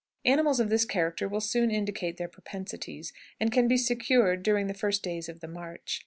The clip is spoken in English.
Animals of this character will soon indicate their propensities, and can be secured during the first days of the march.